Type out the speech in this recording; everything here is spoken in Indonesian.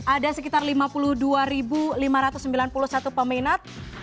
ada sekitar lima puluh dua lima ratus sembilan puluh satu peminat